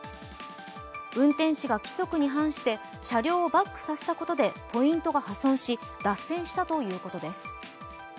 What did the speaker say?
運転士が規則に反して車両をバックさせたことでポイントが破損し脱線したということです。